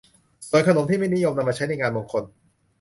ส่วนขนมที่ไม่นิยมนำมาใช้ในงานมงคล